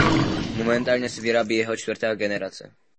Momentálně se vyrábí jeho čtvrtá generace.